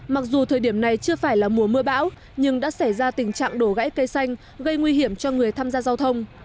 mặc dù thời điểm này chưa phải là mùa mưa bão nhưng đã xảy ra tình trạng đổ gãy cây xanh gây nguy hiểm cho người tham gia giao thông